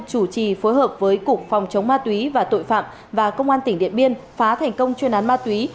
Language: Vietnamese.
chủ trì phối hợp với cục phòng chống ma túy và tội phạm và công an tỉnh điện biên phá thành công chuyên án ma túy